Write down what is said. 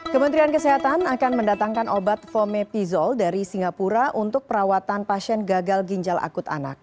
kementerian kesehatan akan mendatangkan obat fomepizol dari singapura untuk perawatan pasien gagal ginjal akut anak